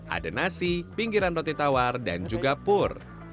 ada nasi pinggiran roti tawar dan juga pur